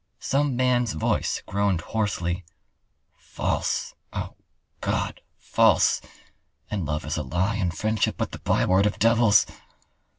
Some man's voice groaned hoarsely: "False, oh, God!—false, and Love is a lie and friendship but the byword of devils!"